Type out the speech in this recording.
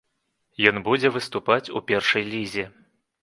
Ён будзе выступаць у першай лізе.